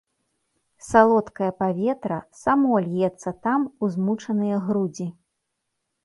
Салодкае паветра само льецца там у змучаныя грудзі.